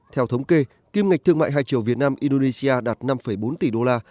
theo thống kê kim ngạch thương mại hai triệu việt nam indonesia đạt năm bốn tỷ đô la